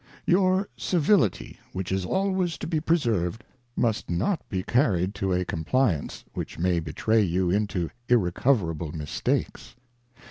Your Civility, which is always to be preserved, must not be„ carried to a Compliance, which may betray you into irrecoverable Mistakes.